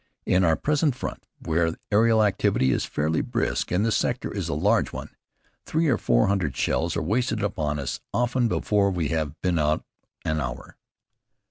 On our present front, where aerial activity is fairly brisk and the sector is a large one, three or four hundred shells are wasted upon us often before we have been out an hour.